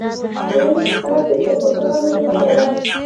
وینز ښار د ټاپوګانو ټولګه ده